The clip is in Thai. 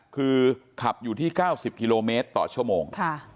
คือขับอยู่ที่๙๐กิโลเมตรต่อชั่วโมง